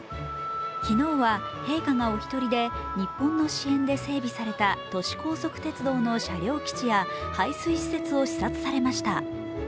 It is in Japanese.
昨日は陛下がお一人で、日本の支援で整備された都市高速鉄道の車両基地や、排水施設を視察されました。